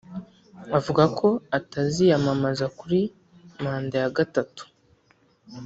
avuga ko ataziyamamaza kuri manda ya gatatu